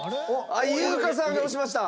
あっ優香さんが押しました。